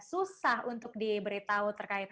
susah untuk diberitahu terkait